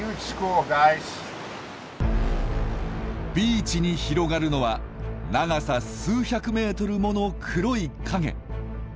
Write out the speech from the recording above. ビーチに広がるのは長さ数百メートルもの黒い影。